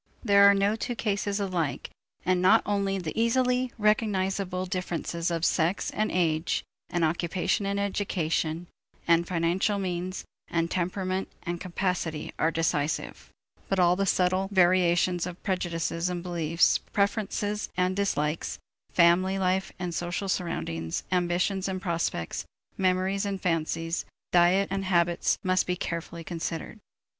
There are no two cases alike and not only the easily recognizable differences of sex and age, and occupation and education, and financial means, and temperament and capacity are decisive, but all the subtle variations of prejudices and beliefs, preferences and dislikes, family life and social surroundings, ambitions and prospects, memories and fancies, diet and habits must carefully be considered.